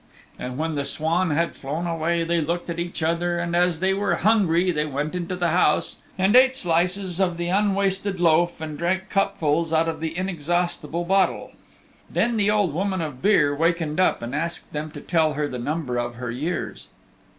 And when the swan had flown away they looked at each other and as they were hungry they went into the house and ate slices of the unwasted loaf and drank cupfuls out of the inexhaustible bottle. Then the Old Woman of Beare wakened up and asked them to tell her the number of her years.